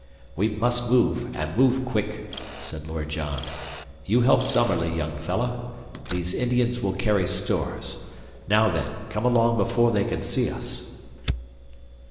"We must move, and move quick!" said Lord John. "You help Summerlee, young fellah. These Indians will carry stores. Now, then, come along before they can see us."